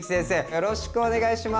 よろしくお願いします！